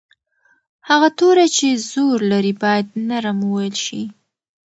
هغه توری چې زور لري باید نرم وویل شي.